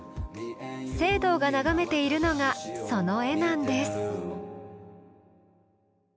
惺堂が眺めているのがその絵なんです。